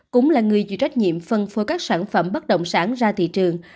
cũng là người chịu trách nhiệm phân phối các sản phẩm bất động sản ra thị trường